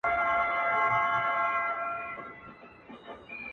• سوچه کاپیر وم چي راتلم تر میخانې پوري.